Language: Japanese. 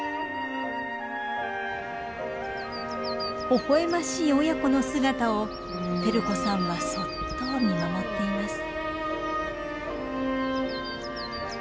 ほほ笑ましい親子の姿を輝子さんはそっと見守っています。